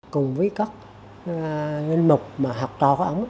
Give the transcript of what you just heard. cùng với các linh mục mà học trò của ông